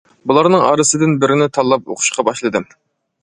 بۇلارنىڭ ئارىسىدىن بىرىنى تاللاپ ئوقۇشقا باشلىدىم.